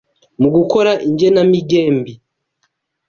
mu gukore igenemigembi,